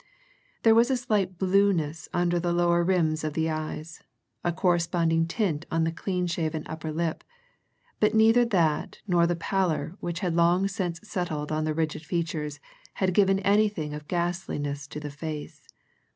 There was a slight blueness under the lower rims of the eyes, a corresponding tint on the clean shaven upper lip, but neither that nor the pallor which had long since settled on the rigid features had given anything of ghastliness to the face.